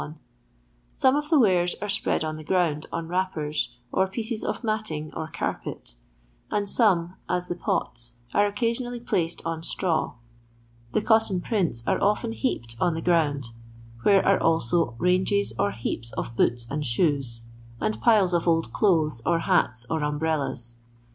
Some of the wares are spread on the ground on wrappers, or pieces of matting or carpet ; and some, as the poU, are occasionally placed on straw. The cotton prints are often heaped on the ground; where are also ranges or heaps of boots and shoes, and piles of old clothes, or hats, or umbrellas.